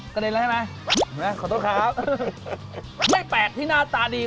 เด็นแล้วใช่ไหมขอโทษครับไม่แปลกที่หน้าตาดี